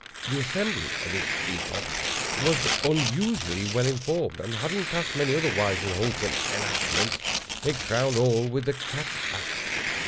The Assembly, at this epoch, was unusually well informed, and, having passed many other wise and wholesome enactments, it crowned all with the Cat Act.